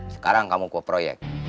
sekarang kamu ke proyek